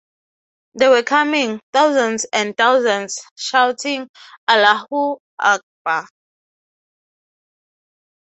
They were coming, thousands and thousands, shouting 'Allahu Akbar!